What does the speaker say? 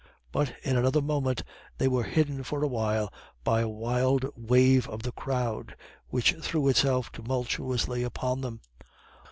But in another moment they were hidden for a while by a wild wave of the crowd, which threw itself tumultuously upon them.